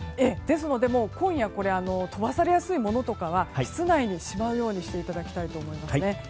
ですので、今夜飛ばされやすいものなどは室内にしまうようにしていただきたいと思いますね。